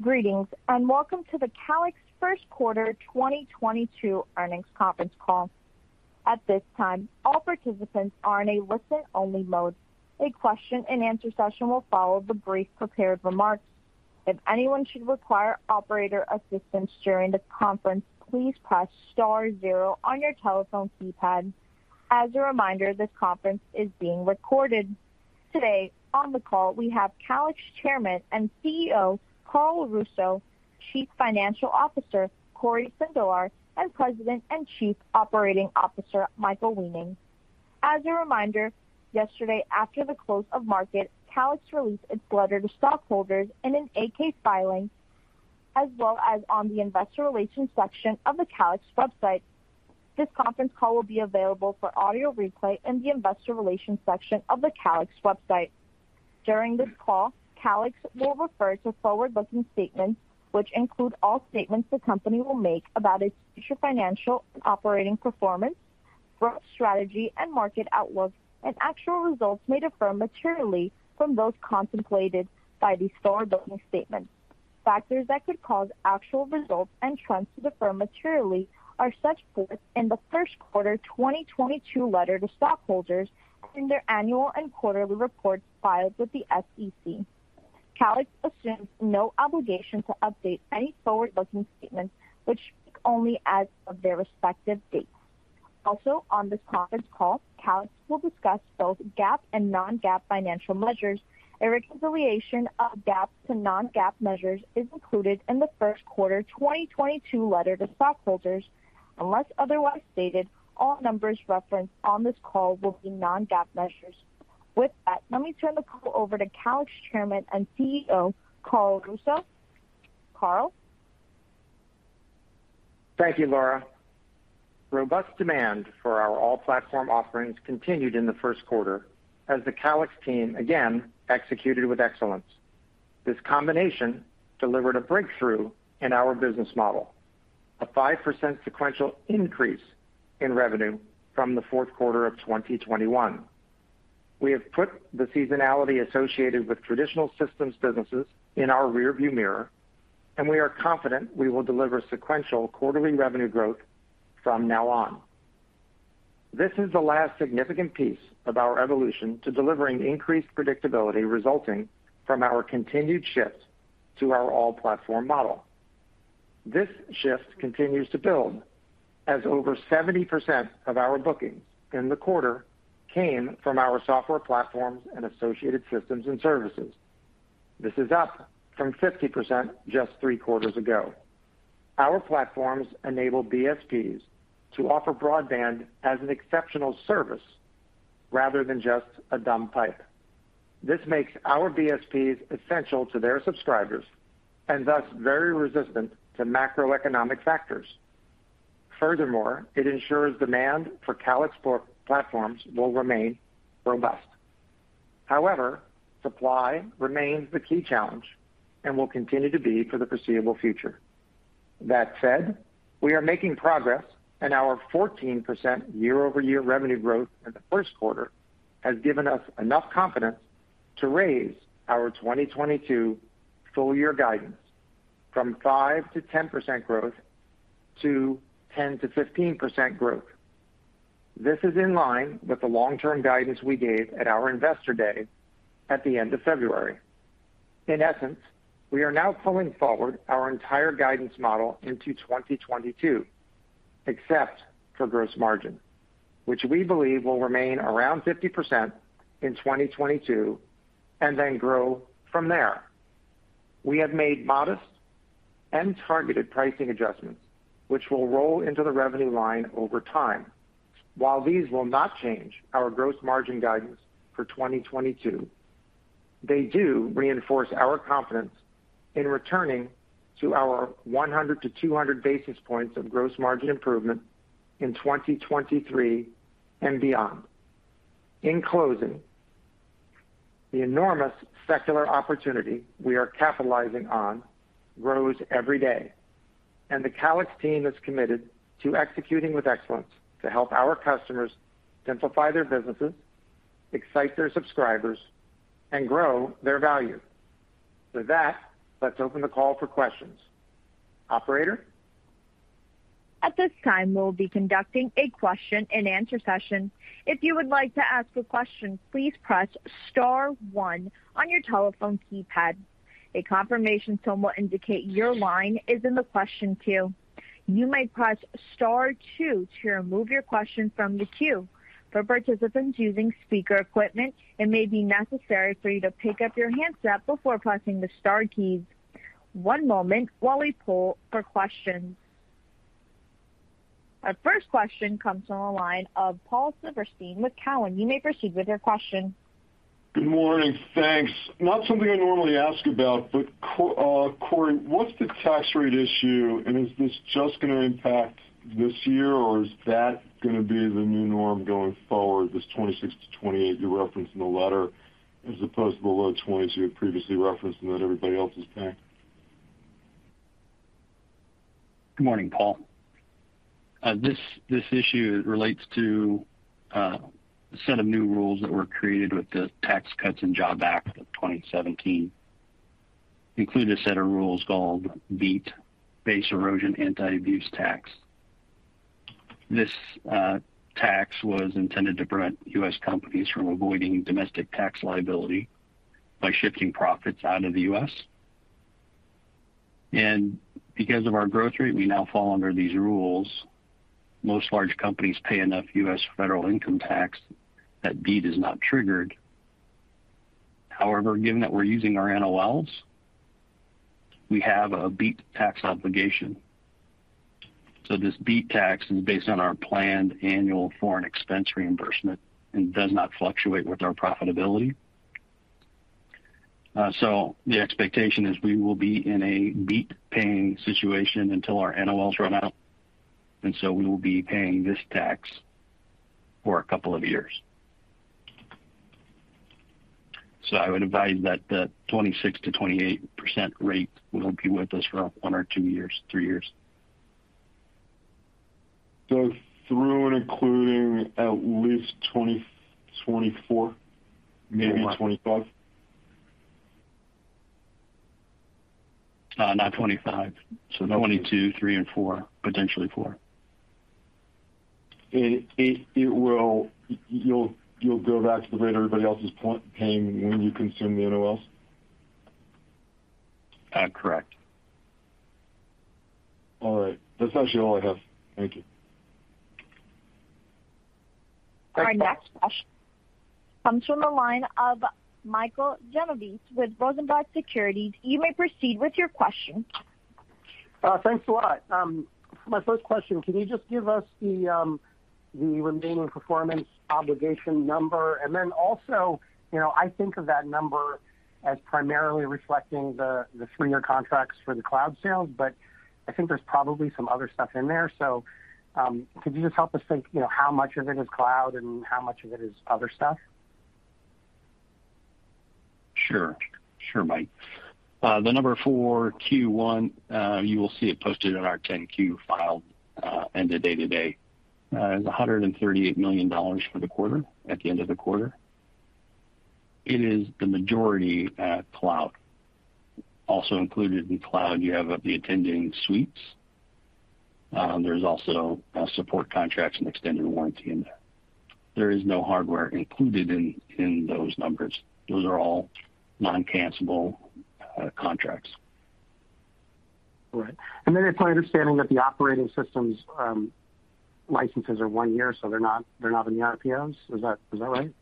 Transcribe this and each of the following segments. Greetings, and welcome to the Calix first quarter 2022 earnings conference call. At this time, all participants are in a listen-only mode. A question-and-answer session will follow the brief prepared remarks. If anyone should require operator assistance during the conference, please press star zero on your telephone keypad. As a reminder, this conference is being recorded. Today on the call, we have Calix Chairman and CEO, Carl Russo; Chief Financial Officer, Cory Sindelar; and President and Chief Operating Officer, Michael Weening. As a reminder, yesterday after the close of market, Calix released its letter to stockholders in an 8-K filing, as well as on the Investor Relations section of the Calix website. This conference call will be available for audio replay in the Investor Relations section of the Calix website. During this call, Calix will refer to forward-looking statements, which include all statements the company will make about its future financial and operating performance, growth strategy and market outlook, and actual results may differ materially from those contemplated by these forward-looking statements. Factors that could cause actual results and trends to differ materially are set forth in the first quarter 2022 letter to stockholders in their annual and quarterly reports filed with the SEC. Calix assumes no obligation to update any forward-looking statements, which speak only as of their respective dates. Also on this conference call, Calix will discuss both GAAP and non-GAAP financial measures. A reconciliation of GAAP to non-GAAP measures is included in the first quarter 2022 letter to stockholders. Unless otherwise stated, all numbers referenced on this call will be non-GAAP measures. With that, let me turn the call over to Calix Chairman and CEO, Carl Russo. Carl? Thank you, Laura. Robust demand for our all-platform offerings continued in the first quarter as the Calix team again executed with excellence. This combination delivered a breakthrough in our business model, a 5% sequential increase in revenue from the fourth quarter of 2021. We have put the seasonality associated with traditional systems businesses in our rearview mirror, and we are confident we will deliver sequential quarterly revenue growth from now on. This is the last significant piece of our evolution to delivering increased predictability resulting from our continued shift to our all-platform model. This shift continues to build as over 70% of our bookings in the quarter came from our software platforms and associated systems and services. This is up from 50% just three quarters ago. Our platforms enable BSPs to offer broadband as an exceptional service rather than just a dumb pipe. This makes our BSPs essential to their subscribers and thus very resistant to macroeconomic factors. Furthermore, it ensures demand for Calix platforms will remain robust. However, supply remains the key challenge and will continue to be for the foreseeable future. That said, we are making progress, and our 14% year-over-year revenue growth in the first quarter has given us enough confidence to raise our 2022 full year guidance from 5%-10% growth to 10%-15% growth. This is in line with the long-term guidance we gave at our Investor Day at the end of February. In essence, we are now pulling forward our entire guidance model into 2022, except for gross margin, which we believe will remain around 50% in 2022 and then grow from there. We have made modest and targeted pricing adjustments, which will roll into the revenue line over time. While these will not change our gross margin guidance for 2022, they do reinforce our confidence in returning to our 100-200 basis points of gross margin improvement in 2023 and beyond. In closing, the enormous secular opportunity we are capitalizing on grows every day, and the Calix team is committed to executing with excellence to help our customers simplify their businesses, excite their subscribers, and grow their value. With that, let's open the call for questions. Operator? Our first question comes from the line of Paul Silverstein with Cowen. You may proceed with your question. Good morning. Thanks. Not something I normally ask about, but Cory, what's the tax rate issue, and is this just going to impact this year, or is that going to be the new norm going forward, this 26%-28% you referenced in the letter, as opposed to the low 20s you had previously referenced and that everybody else is paying? Good morning, Paul. This issue relates to a set of new rules that were created with the Tax Cuts and Jobs Act of 2017. They include a set of rules called BEAT, Base Erosion and Anti-Abuse Tax. This tax was intended to prevent U.S. companies from avoiding domestic tax liability by shifting profits out of the U.S. Because of our growth rate, we now fall under these rules. Most large companies pay enough U.S. federal income tax that BEAT is not triggered. However, given that we're using our NOLs, we have a BEAT tax obligation. This BEAT tax is based on our planned annual foreign expense reimbursement and does not fluctuate with our profitability. The expectation is we will be in a BEAT paying situation until our NOLs run out, and so we will be paying this tax for a couple of years. I would advise that the 26%-28% rate will be with us for one or two years, three years. Through and including at least 2024, maybe 2025? Not 25. 2022, 2023 and 2024, potentially 2024. You'll go back to the rate everybody else is paying when you consume the NOLs? Correct. All right. That's actually all I have. Thank you. Our next question comes from the line of Michael Genovese with Rosenblatt Securities. You may proceed with your question. Thanks a lot. My first question, can you just give us the remaining performance obligation number? Also, you know, I think of that number as primarily reflecting the three-year contracts for the cloud sales, but I think there's probably some other stuff in there. Could you just help us think, you know, how much of it is cloud and how much of it is other stuff? Sure, Mike. The number for Q1, you will see it posted in our 10-Q file, end of day today. It's $138 million for the quarter, at the end of the quarter. It is the majority cloud. Also included in cloud, you have the attending suites. There's also support contracts and extended warranty in there. There is no hardware included in those numbers. Those are all non-cancellable contracts. Right. It's my understanding that the operating systems licenses are one year, so they're not in the RPOs. Is that right?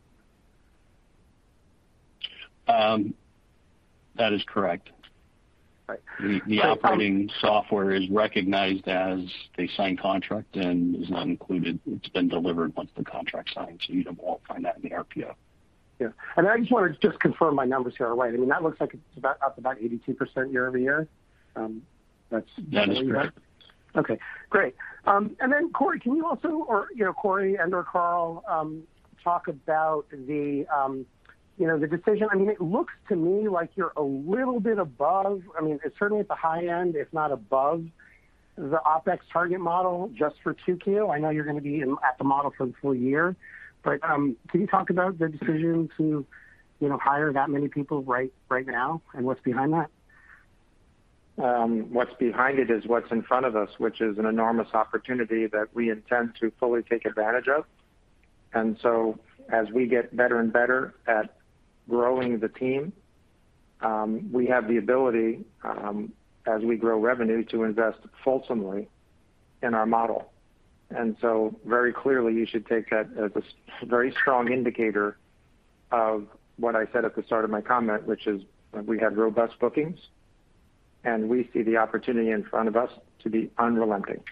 That is correct. Right. The operating software is recognized as a signed contract and is not included. It's been delivered once the contract's signed, so you won't find that in the RPO. Yeah. I just wanted to confirm my numbers here are right. I mean, that looks like it's about up about 82% year-over-year. That's- That is correct. Okay, great. Cory, can you also, you know, Cory and/or Carl, talk about the, you know, the decision. I mean, it looks to me like you're a little bit above. I mean, it's certainly at the high end, if not above the OpEx target model just for 2Q. I know you're gonna be at the model for the full year. Can you talk about the decision to, you know, hire that many people right now and what's behind that? What's behind it is what's in front of us, which is an enormous opportunity that we intend to fully take advantage of. As we get better and better at growing the team, we have the ability, as we grow revenue to invest fulsomely in our model. Very clearly, you should take that as a very strong indicator of what I said at the start of my comment, which is we have robust bookings, and we see the opportunity in front of us to be unrelenting.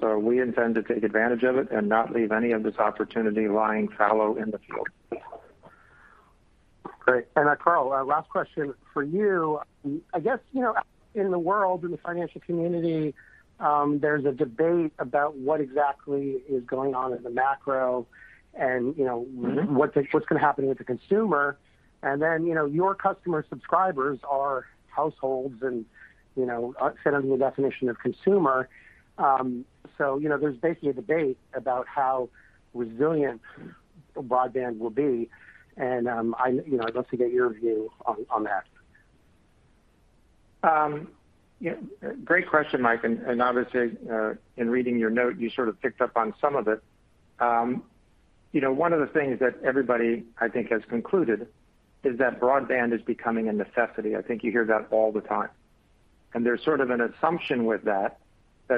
We intend to take advantage of it and not leave any of this opportunity lying fallow in the field. Great. Carl, last question for you. I guess, you know, in the world, in the financial community, there's a debate about what exactly is going on at the macro and, you know, what's gonna happen with the consumer. Then, you know, your customer subscribers are households and, you know, fit under the definition of consumer. You know, there's basically a debate about how resilient broadband will be, and I'd, you know, love to get your view on that. Yeah, great question, Mike. Obviously, in reading your note, you sort of picked up on some of it. You know, one of the things that everybody I think has concluded is that broadband is becoming a necessity. I think you hear that all the time. There's sort of an assumption with that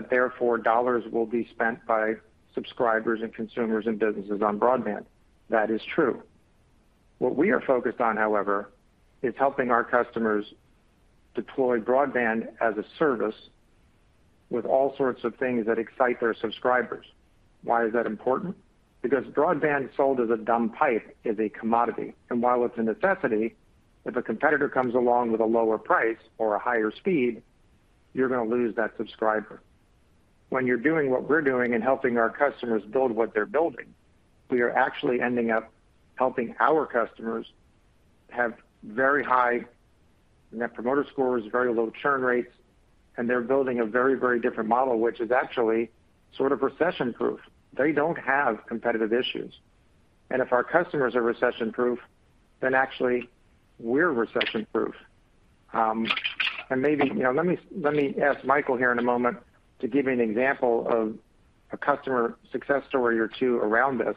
therefore dollars will be spent by subscribers and consumers and businesses on broadband. That is true. What we are focused on, however, is helping our customers deploy broadband as a service with all sorts of things that excite their subscribers. Why is that important? Because broadband sold as a dumb pipe is a commodity. While it's a necessity, if a competitor comes along with a lower price or a higher speed, you're gonna lose that subscriber. When you're doing what we're doing and helping our customers build what they're building, we are actually ending up helping our customers have very high net promoter scores, very low churn rates, and they're building a very, very different model, which is actually sort of recession-proof. They don't have competitive issues. If our customers are recession-proof, then actually we're recession-proof. Maybe, you know, let me ask Michael here in a moment to give you an example of a customer success story or two around this.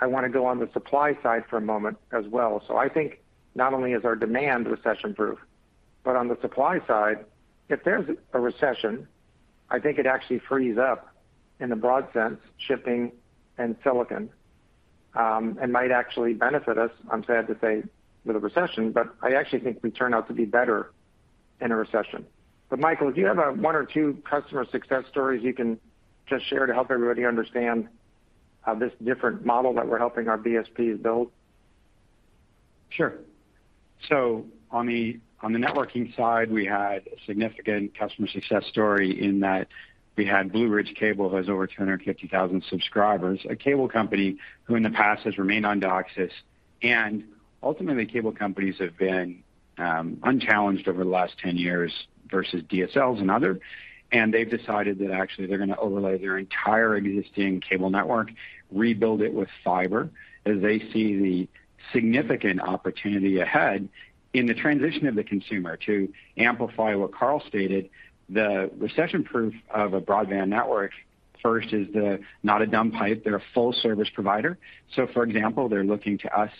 I want to go on the supply side for a moment as well. I think not only is our demand recession-proof, but on the supply side, if there's a recession, I think it actually frees up, in the broad sense, shipping and silicon, and might actually benefit us, I'm sad to say, with a recession. I actually think we turn out to be better in a recession. Michael, do you have one or two customer success stories you can just share to help everybody understand this different model that we're helping our BSPs build? Sure. On the networking side, we had a significant customer success story in that we had Blue Ridge Cable, who has over 250,000 subscribers. A cable company who in the past has remained on DOCSIS, and ultimately cable companies have been unchallenged over the last 10 years versus DSLs and other. They've decided that actually they're going to overlay their entire existing cable network, rebuild it with fiber, as they see the significant opportunity ahead in the transition of the consumer. To amplify what Carl stated, the recession-proof of a broadband network, first is that it's not a dumb pipe. They're a full service provider. For example, they're looking to us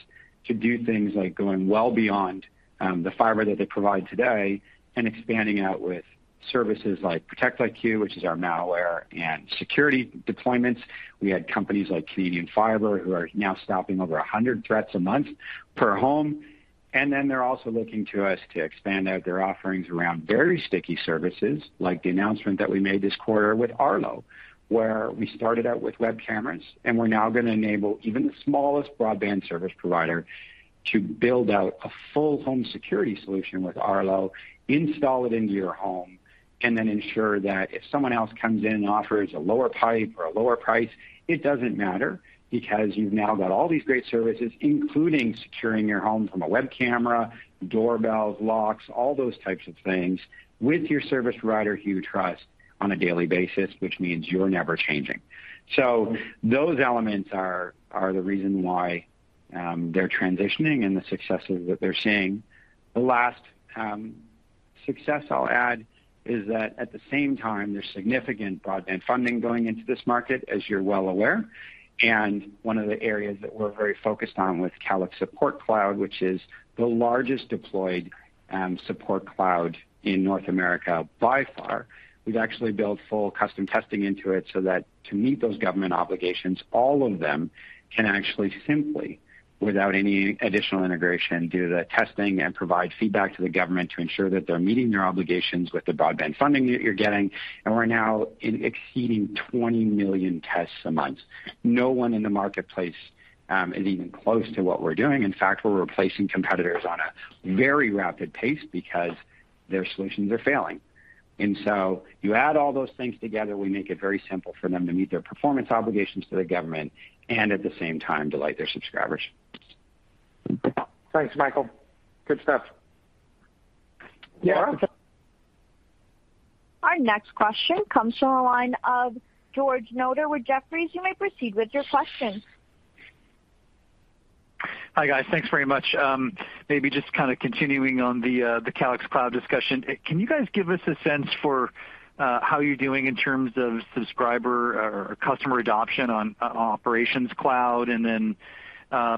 to do things like going well beyond the fiber that they provide today and expanding out with services like ProtectIQ, which is our malware and security deployments. We had companies like Canadian Fiber who are now stopping over 100 threats a month per home. They're also looking to us to expand out their offerings around very sticky services, like the announcement that we made this quarter with Arlo, where we started out with web cameras, and we're now going to enable even the smallest broadband service provider to build out a full home security solution with Arlo, install it into your home, and then ensure that if someone else comes in and offers a lower pipe or a lower price, it doesn't matter because you've now got all these great services, including securing your home from a web camera, doorbells, locks, all those types of things with your service provider who you trust on a daily basis, which means you're never changing. Those elements are the reason why they're transitioning and the successes that they're seeing. The last success I'll add is that at the same time, there's significant broadband funding going into this market, as you're well aware. One of the areas that we're very focused on with Calix Support Cloud, which is the largest deployed Support Cloud in North America by far. We've actually built full custom testing into it so that to meet those government obligations, all of them can actually simply, without any additional integration, do the testing and provide feedback to the government to ensure that they're meeting their obligations with the broadband funding that you're getting. We're now exceeding 20 million tests a month. No one in the marketplace is even close to what we're doing. In fact, we're replacing competitors on a very rapid pace because their solutions are failing. You add all those things together, we make it very simple for them to meet their performance obligations to the government and at the same time delight their subscribers. Thanks, Michael. Good stuff. You're welcome. Laura? Our next question comes from the line of George Notter with Jefferies. You may proceed with your question. Hi, guys. Thanks very much. Maybe just kind of continuing on the Calix Cloud discussion. Can you guys give us a sense for how you're doing in terms of subscriber or customer adoption on Operations Cloud and then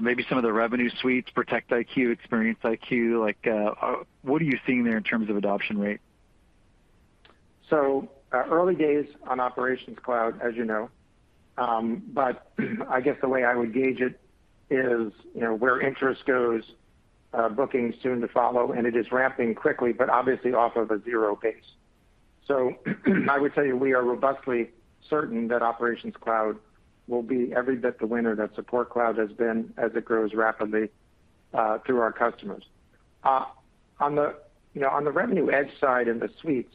maybe some of the revenue suites, ProtectIQ, ExperienceIQ? What are you seeing there in terms of adoption rate? Early days on Operations Cloud, as you know, but I guess the way I would gauge it is, you know, where interest goes, bookings soon to follow, and it is ramping quickly, but obviously off of a zero base. I would tell you, we are robustly certain that Operations Cloud will be every bit the winner that Support Cloud has been as it grows rapidly through our customers. On the, you know, on the revenue edge side and the suites,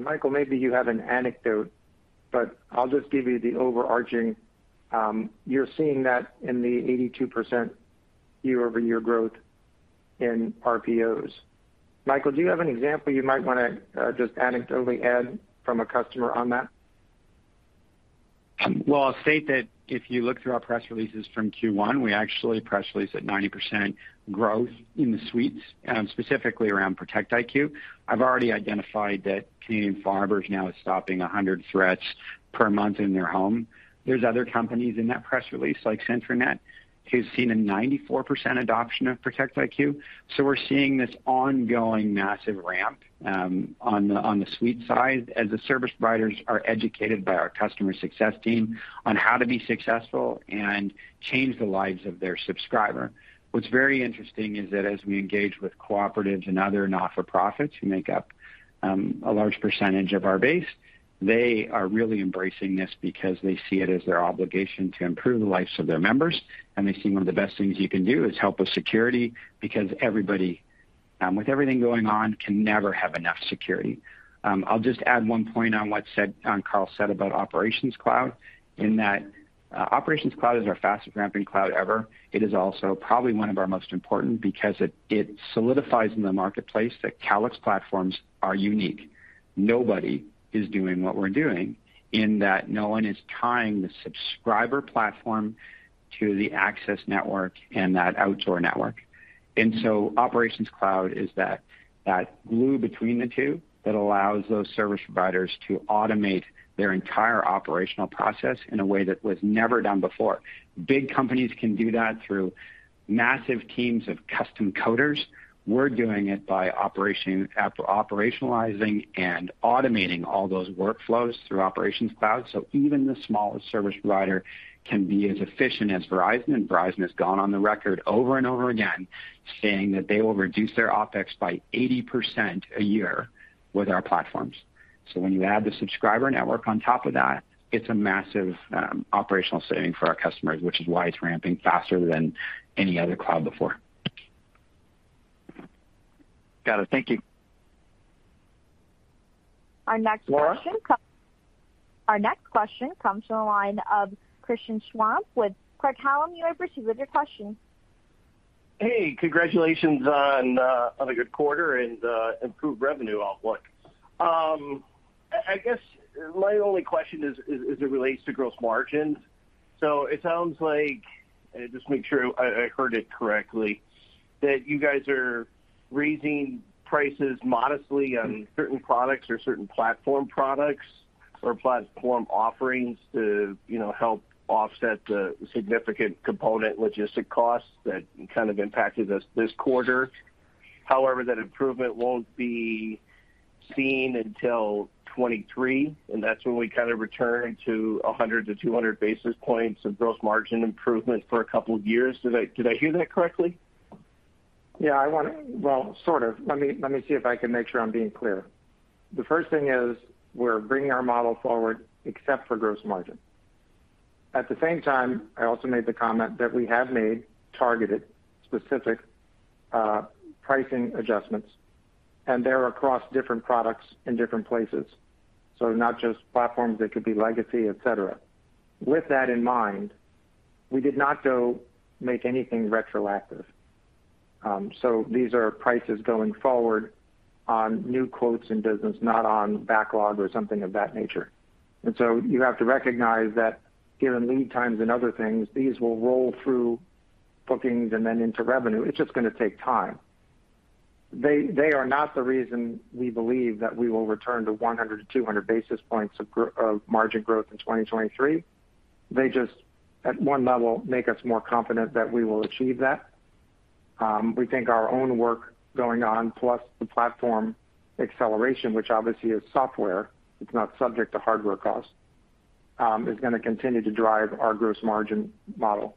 Michael, maybe you have an anecdote, but I'll just give you the overarching, you're seeing that in the 82% year-over-year growth in RPOs. Michael, do you have an example you might want to just anecdotally add from a customer on that? Well, I'll state that if you look through our press releases from Q1, we actually press released at 90% growth in the suites, specifically around ProtectIQ. I've already identified that Canadian Fiber is now stopping 100 threats per month in their home. There's other companies in that press release, like Centranet, who's seen a 94% adoption of ProtectIQ. We're seeing this ongoing massive ramp on the suite side as the service providers are educated by our customer success team on how to be successful and change the lives of their subscriber. What's very interesting is that as we engage with cooperatives and other not-for-profits who make up a large percentage of our base, they are really embracing this because they see it as their obligation to improve the lives of their members. They see one of the best things you can do is help with security because everybody With everything going on, you can never have enough security. I'll just add one point on what Carl said about Operations Cloud. Operations Cloud is our fastest ramping cloud ever. It is also probably one of our most important because it solidifies in the marketplace that Calix platforms are unique. Nobody is doing what we're doing in that no one is tying the subscriber platform to the Access network and that outdoor network. Operations Cloud is that glue between the two that allows those service providers to automate their entire operational process in a way that was never done before. Big companies can do that through massive teams of custom coders. We're doing it by operationalizing and automating all those workflows through Operations Cloud, so even the smallest service provider can be as efficient as Verizon. Verizon has gone on the record over and over again saying that they will reduce their OpEx by 80% a year with our platforms. When you add the subscriber network on top of that, it's a massive, operational saving for our customers, which is why it's ramping faster than any other cloud before. Got it. Thank you. Our next question come- Laura? Our next question comes from the line of Christian Schwab with Craig-Hallum. You may proceed with your question. Hey, congratulations on a good quarter and improved revenue outlook. I guess my only question is it relates to gross margins. It sounds like, and just make sure I heard it correctly, that you guys are raising prices modestly on certain products or certain platform products or platform offerings to, you know, help offset the significant component logistics costs that kind of impacted us this quarter. However, that improvement won't be seen until 2023, and that's when we kind of return to 100-200 basis points of gross margin improvement for a couple of years. Did I hear that correctly? Yeah, I wanna. Well, sort of. Let me see if I can make sure I'm being clear. The first thing is we're bringing our model forward except for gross margin. At the same time, I also made the comment that we have made targeted specific pricing adjustments, and they're across different products in different places. Not just platforms, it could be legacy, et cetera. With that in mind, we did not go make anything retroactive. These are prices going forward on new quotes in business, not on backlog or something of that nature. You have to recognize that given lead times and other things, these will roll through bookings and then into revenue. It's just gonna take time. They are not the reason we believe that we will return to 100-200 basis points of margin growth in 2023. They just, at one level, make us more confident that we will achieve that. We think our own work going on, plus the platform acceleration, which obviously is software, it's not subject to hardware costs, is gonna continue to drive our gross margin model.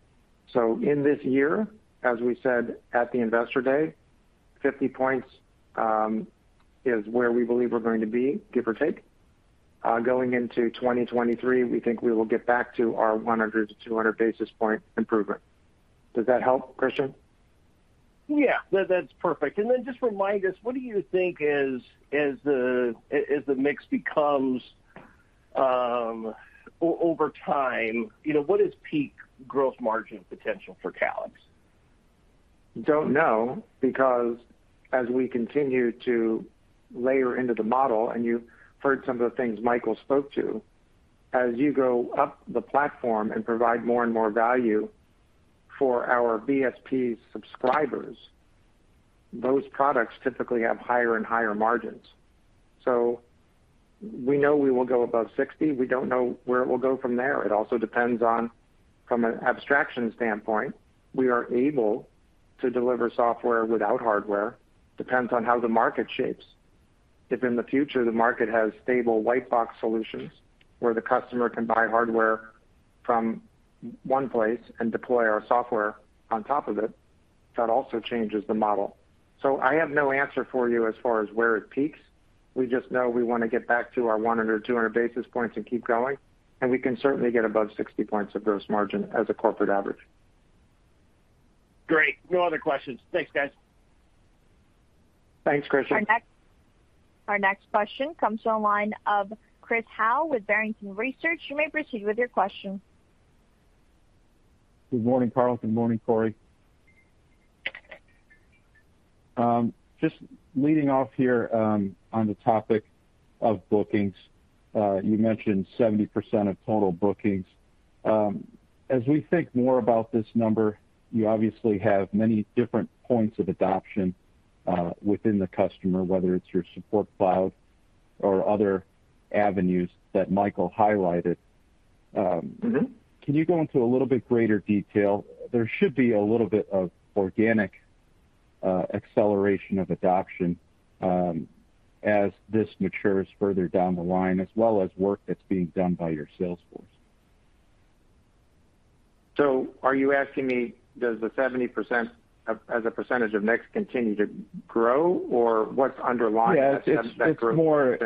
In this year, as we said at the Investor Day, 50 points is where we believe we're going to be, give or take. Going into 2023, we think we will get back to our 100-200 basis point improvement. Does that help, Christian? Yeah. That's perfect. Just remind us, what do you think is the mix becomes over time, you know, what is peak gross margin potential for Calix? Don't know, because as we continue to layer into the model, and you've heard some of the things Michael spoke to, as you go up the platform and provide more and more value for our BSP subscribers, those products typically have higher and higher margins. We know we will go above 60%. We don't know where it will go from there. It also depends on, from an abstraction standpoint, we are able to deliver software without hardware. Depends on how the market shapes. If in the future the market has stable white box solutions where the customer can buy hardware from one place and deploy our software on top of it, that also changes the model. I have no answer for you as far as where it peaks. We just know we wanna get back to our 100-200 basis points and keep going, and we can certainly get above 60 points of gross margin as a corporate average. Great. No other questions. Thanks, guys. Thanks, Christian. Our next question comes from the line of Chris Howe with Barrington Research. You may proceed with your question. Good morning, Carl. Good morning, Cory. Just leading off here, on the topic of bookings. You mentioned 70% of total bookings. As we think more about this number, you obviously have many different points of adoption, within the customer, whether it's your Support Cloud or other avenues that Michael highlighted. Mm-hmm. Can you go into a little bit greater detail? There should be a little bit of organic acceleration of adoption, as this matures further down the line, as well as work that's being done by your sales force. Are you asking me does the 70% as a percentage of mix continue to grow, or what's underlying the- Yeah. Subsequent growth?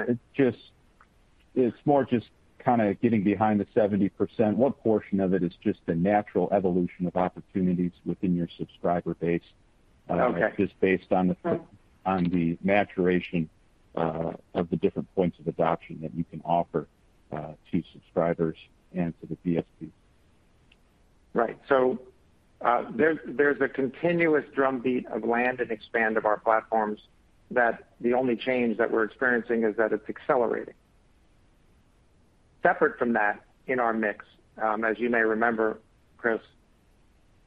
It's more just kind of getting behind the 70%. What portion of it is just the natural evolution of opportunities within your subscriber base? Okay. Just based on the maturation of the different points of adoption that you can offer to subscribers and to the BSPs. Right. There's a continuous drumbeat of land and expand of our platforms that the only change that we're experiencing is that it's accelerating. Separate from that, in our mix, as you may remember, Chris,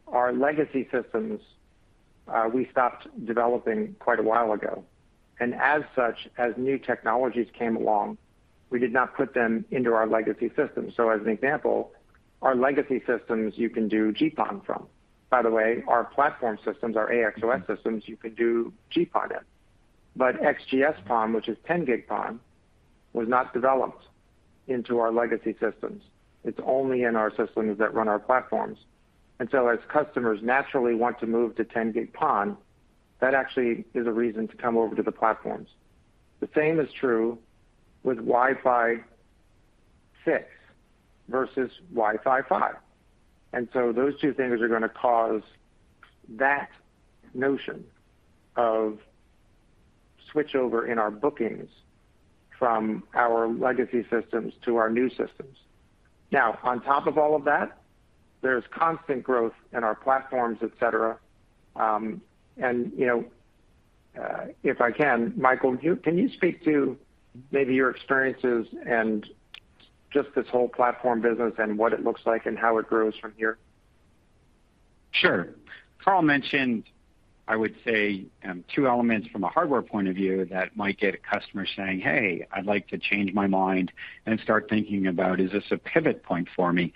our legacy systems, we stopped developing quite a while ago. As such, as new technologies came along, we did not put them into our legacy system. As an example, our legacy systems, you can do GPON on. By the way, our platform systems, our AXOS systems, you can do GPON on. XGS-PON, which is 10 gig PON, was not developed into our legacy systems. It's only in our systems that run our platforms. As customers naturally want to move to 10 gig PON, that actually is a reason to come over to the platforms. The same is true with Wi-Fi Six versus Wi-Fi Five. Those two things are going to cause that notion of switchover in our bookings from our legacy systems to our new systems. Now, on top of all of that, there's constant growth in our platforms, et cetera. You know, if I can, Michael, can you speak to maybe your experiences and just this whole platform business and what it looks like and how it grows from here? Sure. Carl mentioned, I would say, two elements from a hardware point of view that might get a customer saying, "Hey, I'd like to change my mind and start thinking about, is this a pivot point for me?"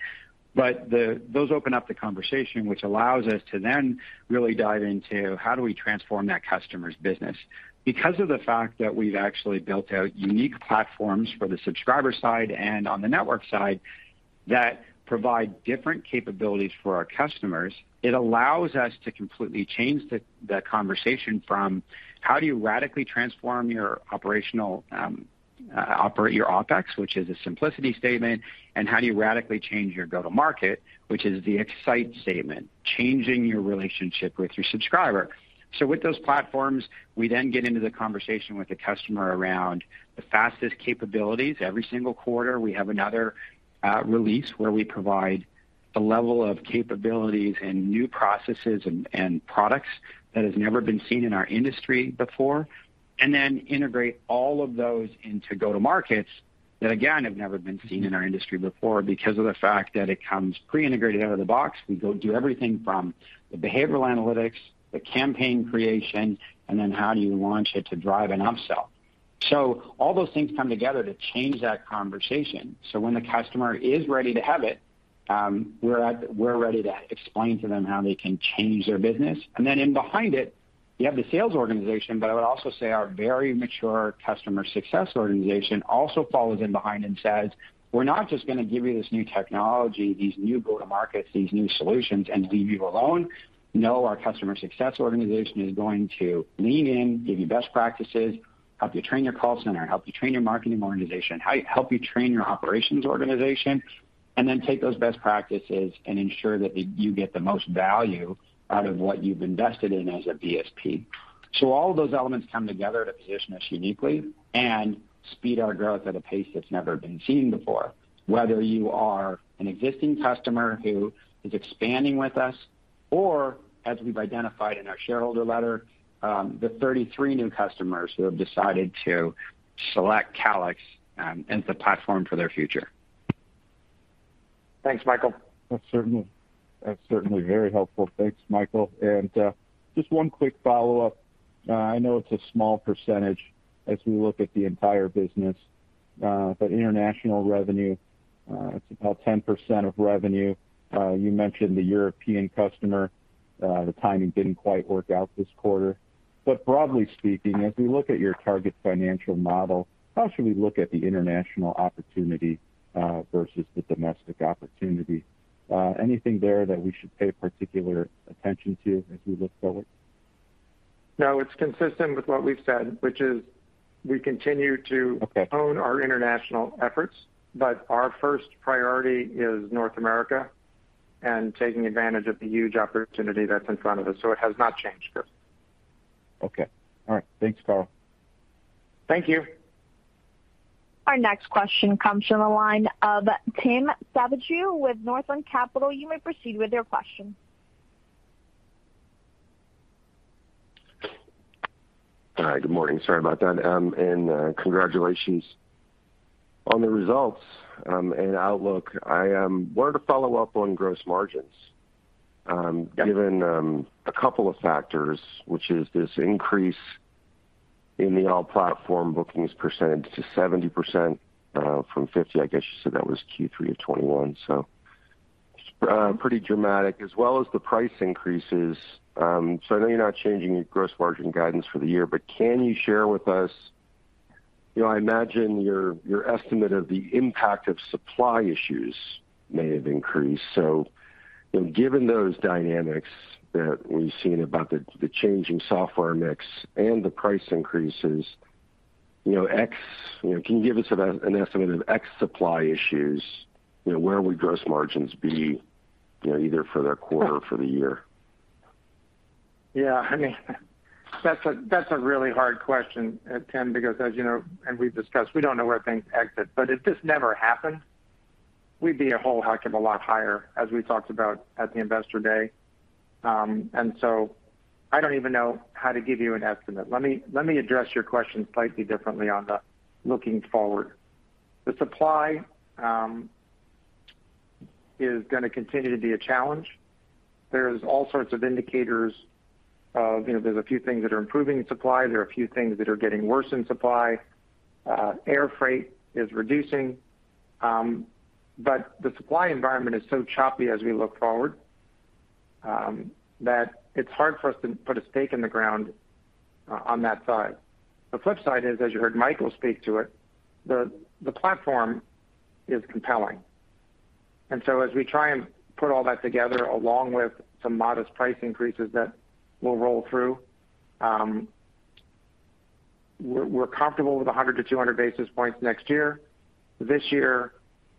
Those open up the conversation, which allows us to then really dive into how do we transform that customer's business. Because of the fact that we've actually built out unique platforms for the subscriber side and on the network side that provide different capabilities for our customers, it allows us to completely change the conversation from how do you radically transform how you operate your OpEx, which is a simplicity statement, and how do you radically change your go-to-market, which is the excite statement, changing your relationship with your subscriber. With those platforms, we then get into the conversation with the customer around the fastest capabilities. Every single quarter, we have another release where we provide a level of capabilities and new processes and products that has never been seen in our industry before, and then integrate all of those into go-to-markets that again, have never been seen in our industry before because of the fact that it comes pre-integrated out of the box. We go do everything from the behavioral analytics, the campaign creation, and then how do you launch it to drive an upsell. All those things come together to change that conversation. When the customer is ready to have it, we're ready to explain to them how they can change their business. in behind it, you have the sales organization, but I would also say our very mature customer success organization also follows in behind and says, "We're not just going to give you this new technology, these new go-to-markets, these new solutions, and leave you alone." No, our customer success organization is going to lean in, give you best practices, help you train your call center, help you train your marketing organization, help you train your operations organization, and then take those best practices and ensure that you get the most value out of what you've invested in as a BSP. All of those elements come together to position us uniquely and speed our growth at a pace that's never been seen before, whether you are an existing customer who is expanding with us or, as we've identified in our shareholder letter, the 33 new customers who have decided to select Calix as the platform for their future. Thanks, Michael. That's certainly very helpful. Thanks, Michael. Just one quick follow-up. I know it's a small percentage as we look at the entire business, but international revenue, it's about 10% of revenue. You mentioned the European customer. The timing didn't quite work out this quarter. Broadly speaking, as we look at your target financial model, how should we look at the international opportunity versus the domestic opportunity? Anything there that we should pay particular attention to as we look forward? No, it's consistent with what we've said, which is we continue to. Okay. Hone our international efforts, but our first priority is North America and taking advantage of the huge opportunity that's in front of us. It has not changed, Chris. Okay. All right. Thanks, Carl. Thank you. Our next question comes from the line of Tim Savageaux with Northland Capital. You may proceed with your question. Hi, good morning. Sorry about that. Congratulations on the results and outlook. I wanted to follow up on gross margins. Yeah. Given a couple of factors, which is this increase in the all-platform bookings percentage to 70% from 50%. I guess you said that was Q3 of 2021, so pretty dramatic, as well as the price increases. I know you're not changing your gross margin guidance for the year, but can you share with us. You know, I imagine your estimate of the impact of supply issues may have increased. You know, given those dynamics that we've seen about the change in software mix and the price increases. You know, X, you know, can you give us an estimate of X supply issues, you know, where would gross margins be, you know, either for the quarter or for the year? Yeah. I mean that's a really hard question, Tim, because as you know, and we've discussed, we don't know where things end up. If this never happened, we'd be a whole heck of a lot higher as we talked about at the Investor Day. I don't even know how to give you an estimate. Let me address your question slightly differently on the looking forward. The supply is gonna continue to be a challenge. There's all sorts of indicators of, you know, there's a few things that are improving in supply. There are a few things that are getting worse in supply. Air freight is reducing. The supply environment is so choppy as we look forward, that it's hard for us to put a stake in the ground on that side. The flip side is, as you heard Michael speak to it, the platform is compelling. As we try and put all that together along with some modest price increases that will roll through, we're comfortable with 100-200 basis points next year. This year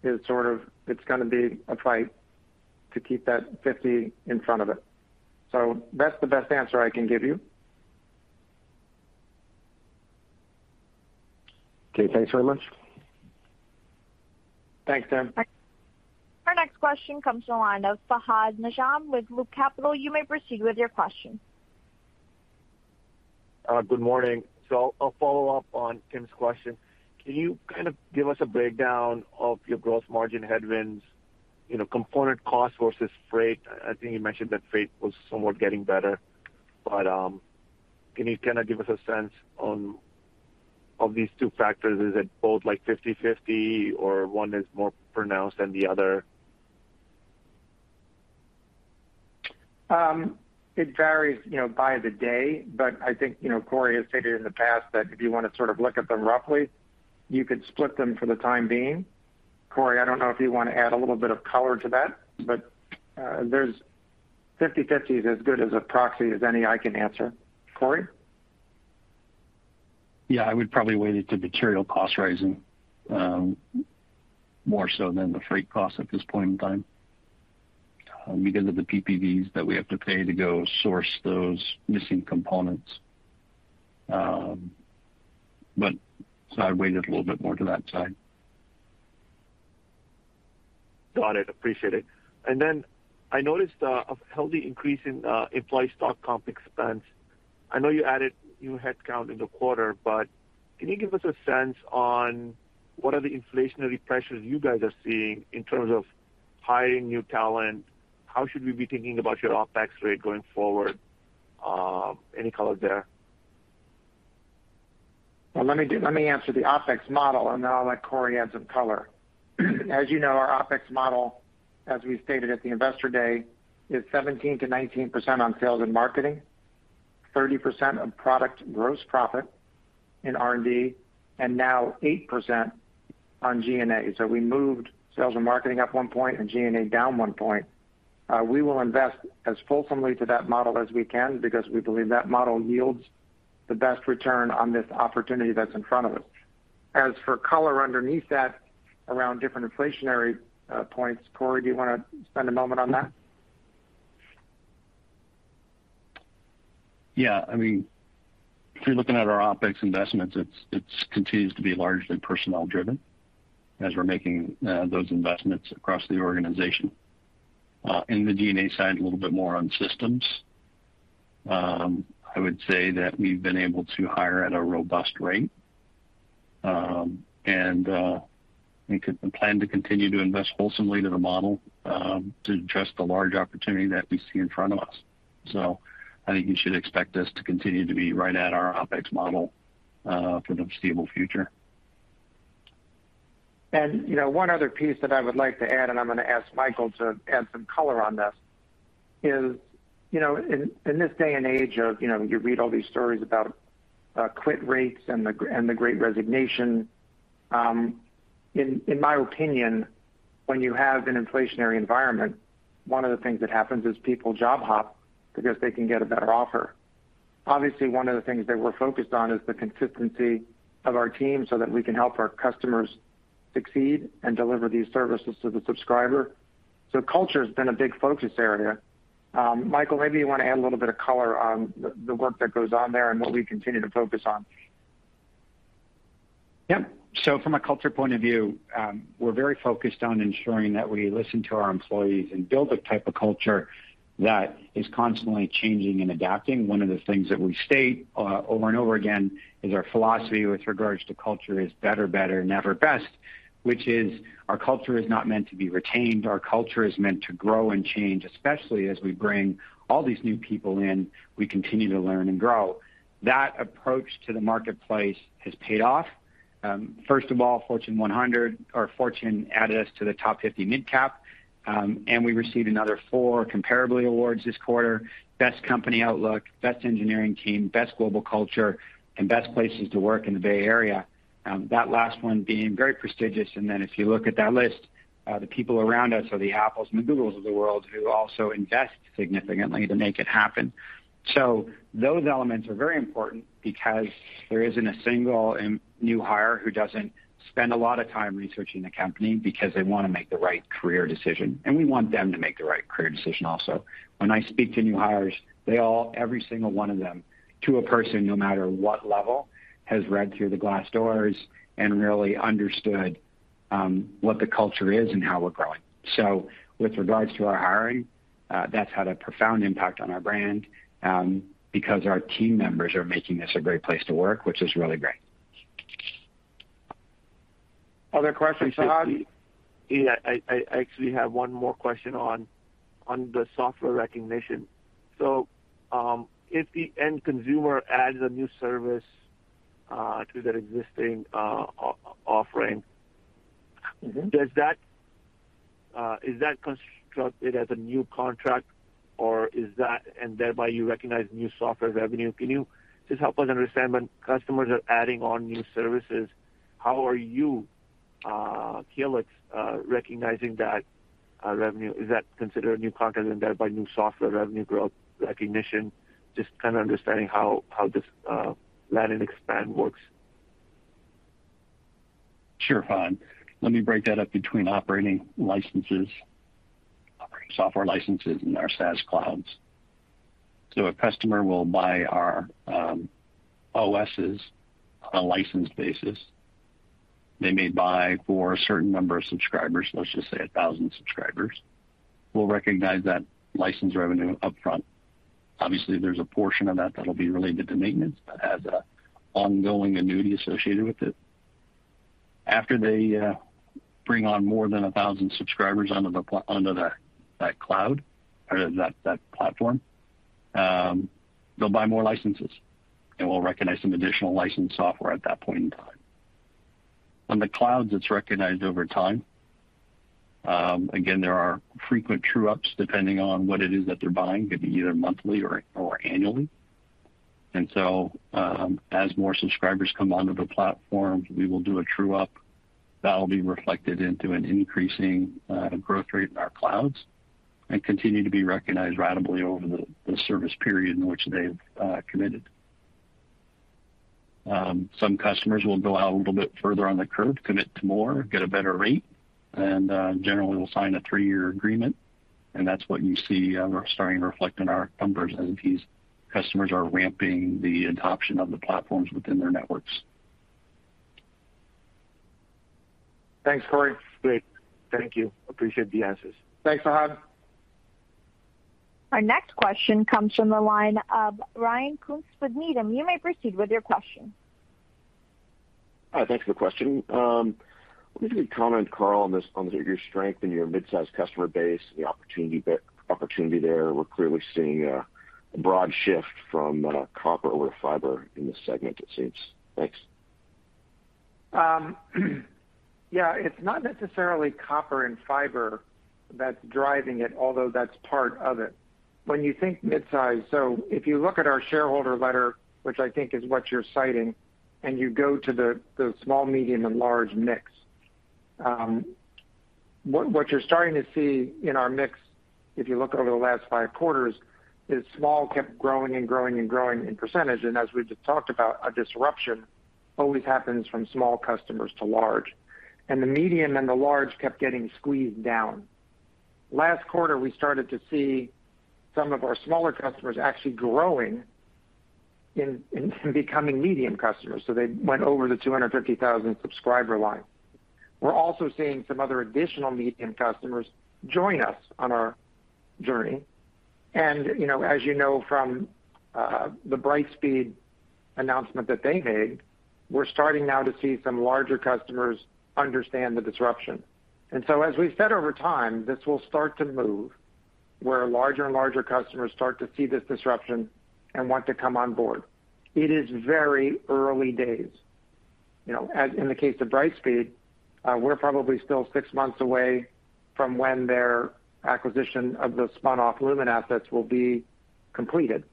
is sort of it's gonna be a fight to keep that 50 basis points in front of it. That's the best answer I can give you. Okay. Thanks very much. Thanks, Tim. Our next question comes from the line of Fahad Najam with Loop Capital. You may proceed with your question. Good morning. I'll follow up on Tim's question. Can you kind of give us a breakdown of your gross margin headwinds, you know, component cost versus freight? I think you mentioned that freight was somewhat getting better. Can you kinda give us a sense of these two factors? Is it both like 50/50 or one is more pronounced than the other? It varies, you know, by the day, but I think, you know, Cory has stated in the past that if you wanna sort of look at them roughly, you could split them for the time being. Cory, I don't know if you wanna add a little bit of color to that, but there's 50/50 is as good as a proxy as any. I can answer. Cory? Yeah. I would probably weigh it to material cost rising, more so than the freight cost at this point in time, because of the PPVs that we have to pay to go source those missing components. I'd weigh it a little bit more to that side. Got it. Appreciate it. I noticed a healthy increase in employee stock comp expense. I know you added new headcount in the quarter, but can you give us a sense on what are the inflationary pressures you guys are seeing in terms of hiring new talent? How should we be thinking about your OpEx rate going forward? Any color there? Well, let me answer the OpEx model, and then I'll let Cory add some color. As you know, our OpEx model, as we stated at the Investor Day, is 17%-19% on sales and marketing, 30% of product gross profit in R&D, and now 8% on G&A. We moved sales and marketing up one point and G&A down one point. We will invest as fulsomely to that model as we can because we believe that model yields the best return on this opportunity that's in front of us. As for color underneath that around different inflationary points, Cory, do you wanna spend a moment on that? Yeah. I mean, if you're looking at our OpEx investments, it continues to be largely personnel driven as we're making those investments across the organization. In the G&A side, a little bit more on systems. I would say that we've been able to hire at a robust rate, and we could plan to continue to invest fulsomely to the model, to address the large opportunity that we see in front of us. I think you should expect us to continue to be right at our OpEx model for the foreseeable future. You know, one other piece that I would like to add, and I'm gonna ask Michael to add some color on this, is, you know, in this day and age of, you know, you read all these stories about quit rates and the great resignation. In my opinion, when you have an inflationary environment, one of the things that happens is people job hop because they can get a better offer. Obviously, one of the things that we're focused on is the consistency of our team so that we can help our customers succeed and deliver these services to the subscriber. So culture's been a big focus area. Michael, maybe you wanna add a little bit of color on the work that goes on there and what we continue to focus on. Yep. From a culture point of view, we're very focused on ensuring that we listen to our employees and build a type of culture that is constantly changing and adapting. One of the things that we state over and over again is our philosophy with regards to culture is better, never best, which is our culture is not meant to be retained. Our culture is meant to grow and change, especially as we bring all these new people in, we continue to learn and grow. That approach to the marketplace has paid off. First of all, Fortune 100 or Fortune added us to the top 50 midcap, and we received another four Comparably awards this quarter. Best Company Outlook, Best Engineering Team, Best Global Culture, and Best Places to Work in the Bay Area. That last one being very prestigious. If you look at that list, the people around us are the Apples and the Googles of the world who also invest significantly to make it happen. Those elements are very important because there isn't a single new hire who doesn't spend a lot of time researching the company because they want to make the right career decision, and we want them to make the right career decision also. When I speak to new hires, they all, every single one of them, to a person, no matter what level, has read through the Glassdoor and really understood what the culture is and how we're growing. With regards to our hiring, that's had a profound impact on our brand because our team members are making this a great place to work, which is really great. Other questions, Fahad? Yeah. I actually have one more question on the software recognition. If the end consumer adds a new service to their existing offering- Mm-hmm. Is that constructed as a new contract or is that and thereby you recognize new software revenue? Can you just help us understand when customers are adding on new services, how are you, Calix, recognizing that revenue? Is that considered a new contract and thereby new software revenue growth recognition? Just kind of understanding how this land and expand works? Sure, Fahad. Let me break that up between operating licenses, operating software licenses, and our SaaS clouds. A customer will buy our OS on a license basis. They may buy for a certain number of subscribers, let's just say 1,000 subscribers. We'll recognize that license revenue upfront. Obviously, there's a portion of that that'll be related to maintenance, but has an ongoing annuity associated with it. After they bring on more than 1,000 subscribers onto the cloud or that platform, they'll buy more licenses, and we'll recognize some additional licensed software at that point in time. On the clouds, it's recognized over time. Again, there are frequent true-ups depending on what it is that they're buying, could be either monthly or annually. As more subscribers come onto the platform, we will do a true-up that'll be reflected into an increasing growth rate in our clouds and continue to be recognized ratably over the service period in which they've committed. Some customers will go out a little bit further on the curve, commit to more, get a better rate, and generally will sign a three-year agreement. That's what you see starting to reflect in our numbers as these customers are ramping the adoption of the platforms within their networks. Thanks, Cory. Great. Thank you. Appreciate the answers. Thanks, Fahad. Our next question comes from the line of Ryan Koontz with Needham. You may proceed with your question. Hi, thanks for the question. Maybe if you could comment, Carl, on this, on your strength in your midsize customer base and the opportunity there. We're clearly seeing a broad shift from copper over to fiber in this segment, it seems. Thanks. Yeah, it's not necessarily copper and fiber that's driving it, although that's part of it. When you think midsize, so if you look at our shareholder letter, which I think is what you're citing, and you go to the small, medium and large mix, what you're starting to see in our mix, if you look over the last five quarters, is small kept growing and growing and growing in percentage. As we just talked about, a disruption always happens from small customers to large, and the medium and the large kept getting squeezed down. Last quarter, we started to see some of our smaller customers actually growing and becoming medium customers. They went over the 250,000 subscriber line. We're also seeing some other additional medium customers join us on our journey. You know, as you know from the Brightspeed announcement that they made, we're starting now to see some larger customers understand the disruption. As we've said over time, this will start to move where larger and larger customers start to see this disruption and want to come on board. It is very early days. You know, as in the case of Brightspeed, we're probably still six months away from when their acquisition of the spun-off Lumen assets will be completed.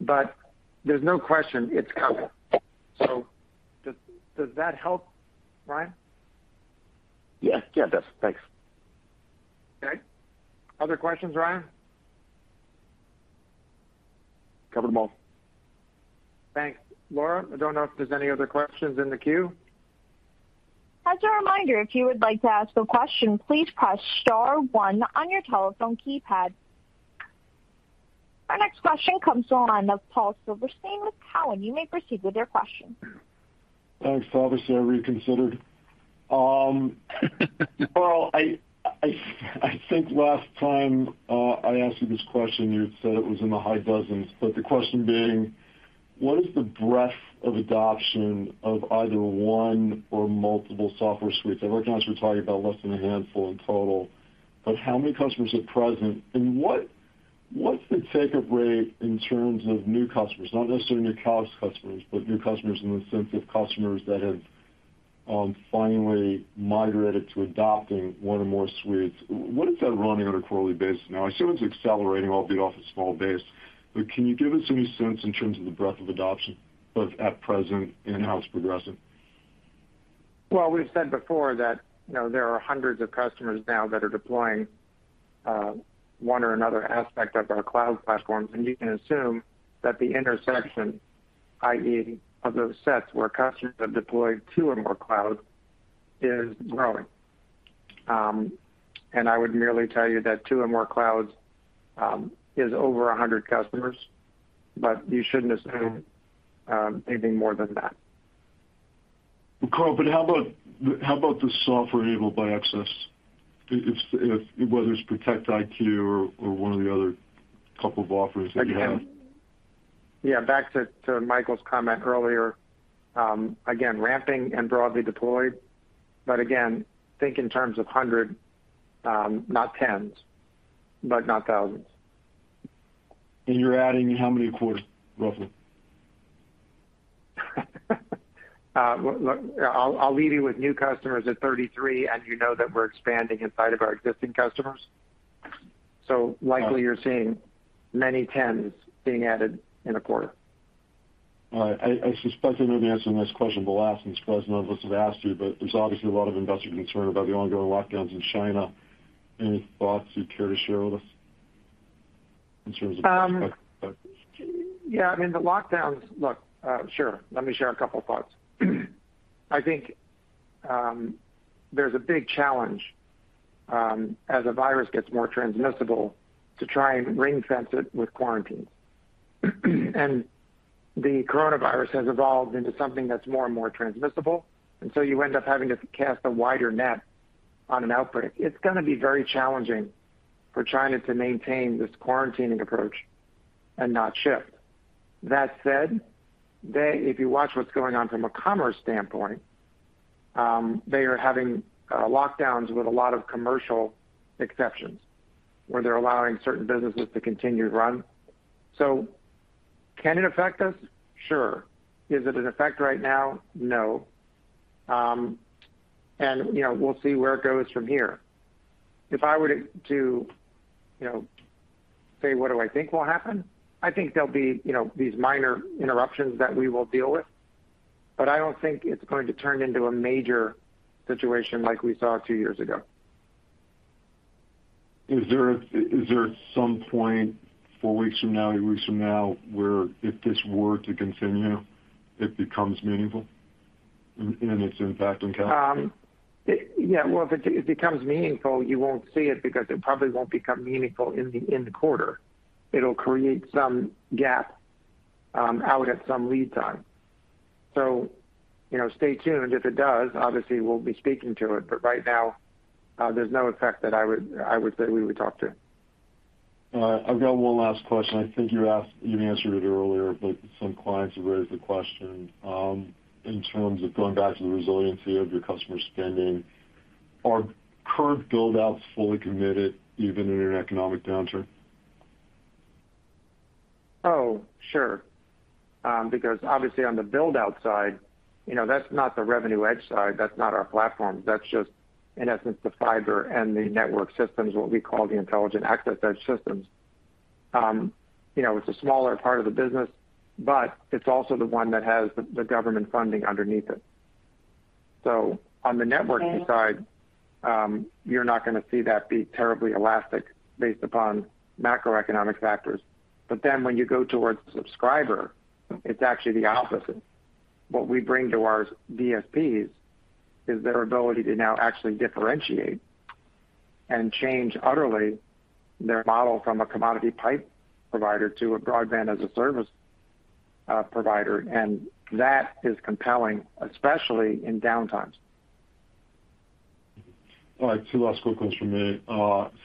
There's no question it's coming. Does that help, Ryan? Yeah. Yeah, it does. Thanks. Okay. Other questions, Ryan? Covered them all. Thanks. Laura, I don't know if there's any other questions in the queue. As a reminder, if you would like to ask a question, please press star one on your telephone keypad. Our next question comes on the line of Paul Silverstein with Cowen. You may proceed with your question. Thanks. Obviously, I reconsidered. Carl, I think last time I asked you this question, you had said it was in the high dozens, but the question being, what is the breadth of adoption of either one or multiple software suites? I recognize you're talking about less than a handful in total, but how many customers at present? And what's the take-up rate in terms of new customers? Not necessarily new Cowen’s customers, but new customers in the sense of customers that have finally migrated to adopting one or more suites. What is that running on a quarterly basis now? I assume it's accelerating, albeit off a small base. Can you give us any sense in terms of the breadth of adoption, both at present and how it's progressing? Well, we've said before that, you know, there are hundreds of customers now that are deploying one or another aspect of our cloud platforms. You can assume that the intersection, i.e., of those sets where customers have deployed two or more clouds, is growing. I would merely tell you that two or more clouds is over 100 customers, but you shouldn't assume anything more than that. Carl, how about the software enabled by Access? Whether it's ProtectIQ or one of the other couple of offers that you have. Yeah, back to Michael's comment earlier, again, ramping and broadly deployed. Again, think in terms of hundreds, not tens, but not thousands. You're adding how many a quarter, roughly? Look, I'll leave you with new customers at 33, and you know that we're expanding inside of our existing customers. Likely you're seeing many tens being added in a quarter. All right. I suspect I know the answer to this question, but I'll ask since none of us have asked you, but there's obviously a lot of investor concern about the ongoing lockdowns in China. Any thoughts you'd care to share with us in terms of the perspective? Yeah. I mean, the lockdowns. Look, sure. Let me share a couple thoughts. I think there's a big challenge as a virus gets more transmissible to try and ring-fence it with quarantines. The coronavirus has evolved into something that's more and more transmissible, and so you end up having to cast a wider net on an outbreak. It's gonna be very challenging for China to maintain this quarantining approach and not shift. That said, if you watch what's going on from a commerce standpoint, they are having lockdowns with a lot of commercial exceptions, where they're allowing certain businesses to continue to run. Can it affect us? Sure. Is it an effect right now? No. You know, we'll see where it goes from here. If I were to, you know, say what do I think will happen, I think there'll be, you know, these minor interruptions that we will deal with. But I don't think it's going to turn into a major situation like we saw two years ago. Is there some point, four weeks from now, eight weeks from now, where if this were to continue, it becomes meaningful in its impact on Calix? Yeah. Well, if it becomes meaningful, you won't see it because it probably won't become meaningful in the quarter. It'll create some gap out at some lead time. You know, stay tuned. If it does, obviously, we'll be speaking to it. Right now, there's no effect that I would say we would talk to. All right. I've got one last question. I think you answered it earlier, but some clients have raised the question in terms of going back to the resiliency of your customer spending. Are current build-outs fully committed even in an economic downturn? Oh, sure. Because obviously on the build-out side, you know, that's not the revenue edge side, that's not our platform. That's just, in essence, the fiber and the network systems, what we call the Intelligent Access EDGE systems. You know, it's a smaller part of the business, but it's also the one that has the government funding underneath it. So on the networking side, you're not gonna see that be terribly elastic based upon macroeconomic factors. But then when you go towards subscriber, it's actually the opposite. What we bring to our BSPs is their ability to now actually differentiate and change utterly their model from a commodity pipe provider to a broadband as a service provider. That is compelling, especially in downtimes. All right. Two last quick ones from me.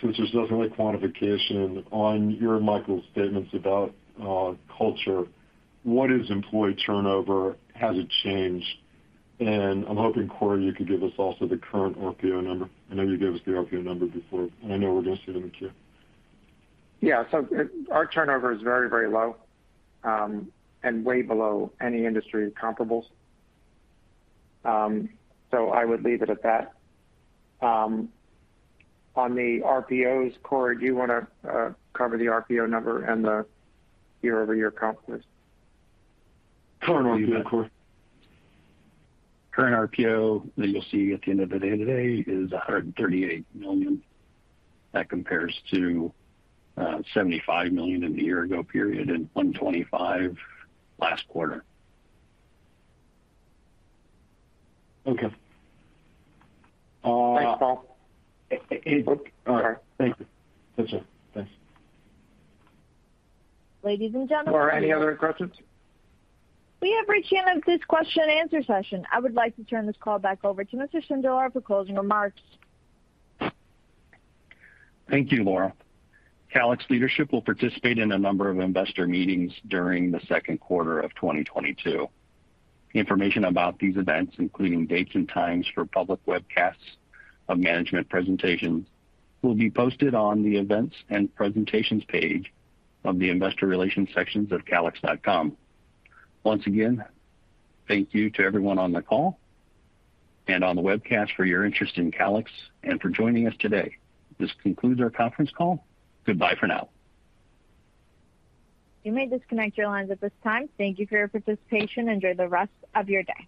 Since there's no really quantification on your and Michael's statements about culture, what is employee turnover? Has it changed? I'm hoping, Cory, you could give us also the current RPO number. I know you gave us the RPO number before, and I know we're gonna see it in the queue. Yeah. Our turnover is very, very low, and way below any industry comparables. I would leave it at that. On the RPOs, Cory, do you wanna cover the RPO number and the year-over-year comp please? Current RPO, Cory. Current RPO that you'll see at the end of the day today is $138 million. That compares to $75 million in the year ago period and $125 million last quarter. Okay. Thanks, Paul. All right. Thank you. That's it. Thanks. Ladies and gentlemen. Laura, any other questions? We have reached the end of this question and answer session. I would like to turn this call back over to Mr. Sindelar for closing remarks. Thank you, Laura. Calix leadership will participate in a number of investor meetings during the second quarter of 2022. Information about these events, including dates and times for public webcasts of management presentations, will be posted on the Events and Presentations page of the Investor Relations sections of calix.com. Once again, thank you to everyone on the call and on the webcast for your interest in Calix and for joining us today. This concludes our conference call. Goodbye for now. You may disconnect your lines at this time. Thank you for your participation. Enjoy the rest of your day.